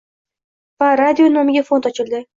va radio nomiga fond ochildi.